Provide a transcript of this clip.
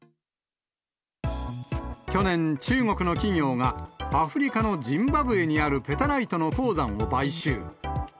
去年、中国の企業が、アフリカのジンバブエにあるペタライトの鉱山を買収。